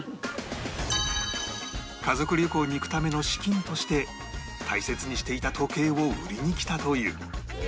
家族旅行に行くための資金として大切にしていた時計を売りに来たという